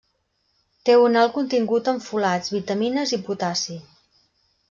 Té un alt contingut en folats, vitamines i potassi.